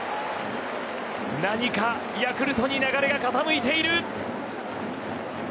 何かヤクルトに流れが傾いている！